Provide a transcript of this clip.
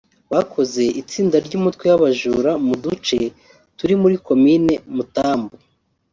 Bakoze itsinda ry’umutwe w’abajura mu duce turi muri Komine Mutambu